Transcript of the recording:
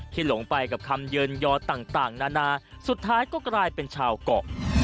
หลงไปกับคำเยินยอต่างนานาสุดท้ายก็กลายเป็นชาวเกาะ